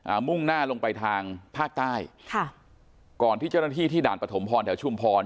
มุ่งหน้าลงไปทางภาคใต้ค่ะก่อนที่เจ้าหน้าที่ที่ด่านปฐมพรแถวชุมพร